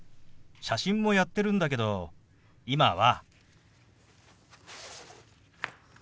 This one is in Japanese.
写真もやってるんだけど今は。